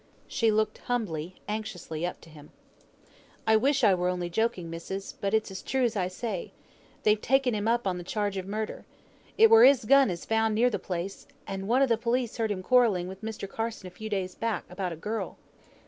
She looked humbly, anxiously up at him. "I wish I were only joking, missis; but it's true as I say. They've taken him up on charge o' murder. It were his gun as were found near th' place; and one o' the police heard him quarrelling with Mr. Carson a few days back, about a girl."